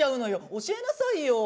教えなさいよ！